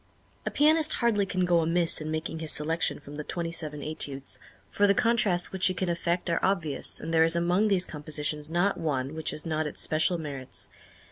A pianist hardly can go amiss in making his selection from the twenty seven Études, for the contrasts which he can effect are obvious, and there is among these compositions not one which has not its special merits.